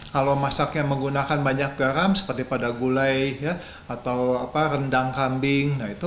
kalau masaknya menggunakan banyak garam seperti pada gulai atau rendang kambing